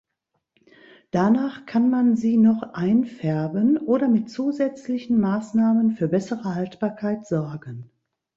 Danach kann man sie noch einfärben oder mit zusätzlichen Maßnahmen für bessere Haltbarkeit sorgen.